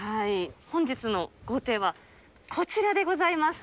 本日の豪邸は、こちらでございます。